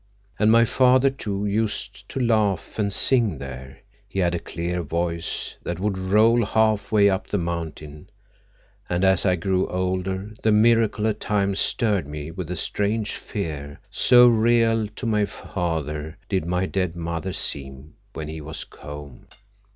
And my father too used to laugh and sing there—he had a clear voice that would roll half way up the mountain; and as I grew older the miracle at times stirred me with a strange fear, so real to my father did my dead mother seem when he was home.